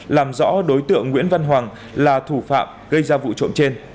làm rõ đối tượng nguyễn văn hoàng là thủ phạm gây ra vụ trộm trên